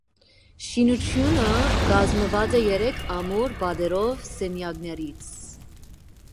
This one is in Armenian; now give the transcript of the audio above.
Շինությունը կազմված է երեք ամուր պատերով սենյակներից։